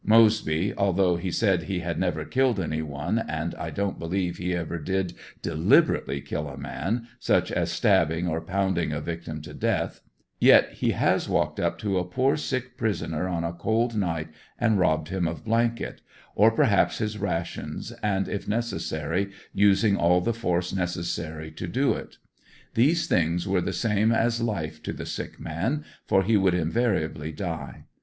Moseby, although he said he had never killed any one, and I don't believe he ever did deliberately kill a man, such as stabbing or pounding a victim to death, yet he has walked up to a poor sick prisoner on a cold night and robbed him of blanket, or perhaps his rations and if neccessary using all the force necessary to do it. These things were the same as life to the sick man, for he would invariably die.